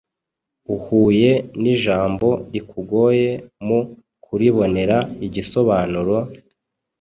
Uhuye n’ijambo rikugoye mu kuribonera igisobanuro,